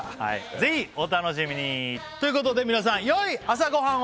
ぜひお楽しみに！ということで皆さんよい朝ごはんを！